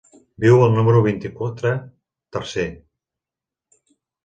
Viu al número vint-i-quatre tercer.